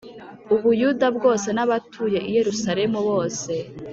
U Buyuda bwose n abatuye i Yerusalemu bose